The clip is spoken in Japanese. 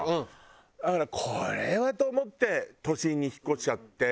だからこれはと思って都心に引っ越しちゃって。